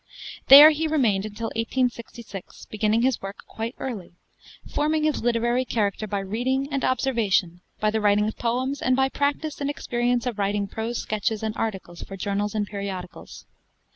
There he remained until 1866; beginning his work quite early; forming his literary character by reading and observation, by the writing of poems, and by practice and experience of writing prose sketches and articles for journals and periodicals.